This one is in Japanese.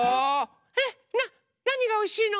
えっなにがおいしいの？